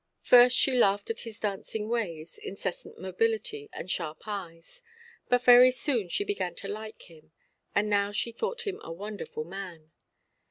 First she laughed at his dancing ways, incessant mobility, and sharp eyes; but very soon she began to like him, and now she thought him a wonderful man.